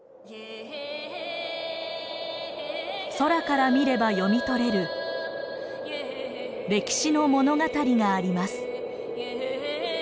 空から見れば読み取れる歴史の物語があります。